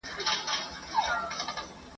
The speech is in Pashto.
قسمت مي ستا د شونډو پيمانه راڅخه غواړي